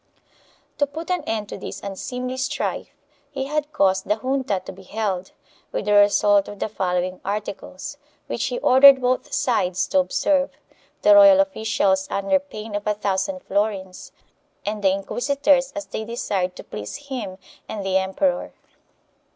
To put an end to this unseemly strife he had caused the junta to be held, with the result of the following articles, which he ordered both sides to observe, the royal officials under pain of a thousand florins, and the inquisitors as they desired to please him and the emperor.